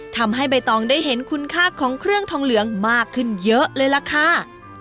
ทำให้ใบตองได้เห็นคุณค่าของเครื่องทองเหลืองมากขึ้นเยอะเลยล่ะค่ะ